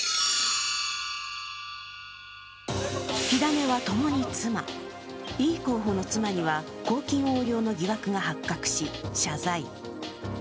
火種はともに妻、イ候補の妻には公金横領の疑惑が発覚し、謝罪。